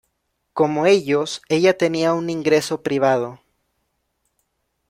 Como ellos, ella tenía un ingreso privado.